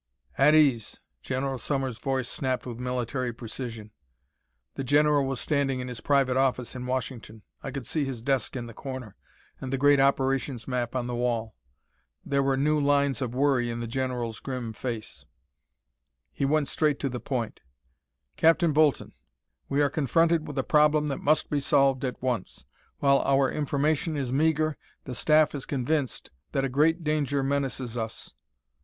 "At ease!" General Sommers' voice snapped with military precision. The general was standing in his private office in Washington. I could see his desk in the corner, and the great operations map on the wall. There were new lines of worry in the general's grim face. He went straight to the point. "Captain Bolton, we are confronted with a problem that must be solved at once. While our information is meagre, the Staff is convinced that a great danger menaces us.